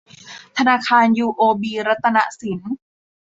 ธนาคารยูโอบีรัตนสิน